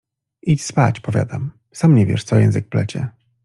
Idź spać, powiadam, sam nie wiesz, co język plecie.